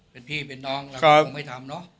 เป็นพี่เป็นน้องเราก็คงไม่ทำเนอะ